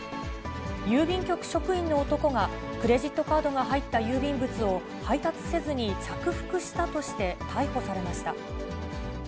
郵便局職員の男が、クレジットカードが入った郵便物を配達せずに着服したとして逮捕されました。